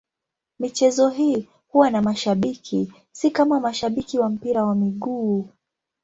Michezo hii huwa na mashabiki, si kama mashabiki wa mpira wa miguu.